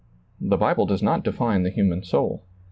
The Bible does not define the human soul.